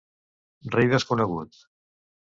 Rei desconegut.